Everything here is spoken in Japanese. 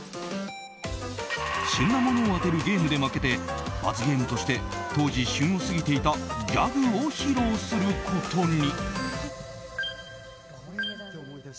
旬なものを当てるゲームで負けて罰ゲームとして当時、旬を過ぎていたギャグを披露することに。